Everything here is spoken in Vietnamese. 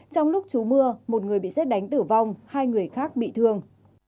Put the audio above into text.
trong lúc chú mưa một người bị xét đánh tử vong hai người khác bị thương